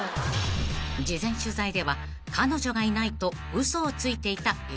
［事前取材では彼女がいないと嘘をついていた伊藤さん］